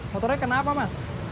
motornya kenapa mas